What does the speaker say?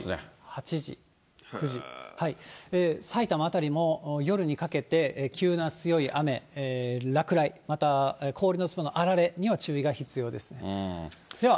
埼玉辺りも夜にかけて急な強い雨、落雷、また氷の粒のあられには注意が必要ですね。